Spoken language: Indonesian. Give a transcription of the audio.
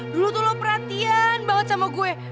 dulu tuh lu perhatian banget sama gue